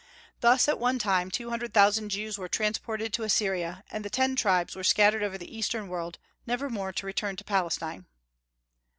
Thus at one time two hundred thousand Jews were transported to Assyria, and the "Ten Tribes" were scattered over the Eastern world, never more to return to Palestine.